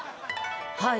はい。